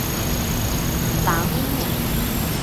阆音两。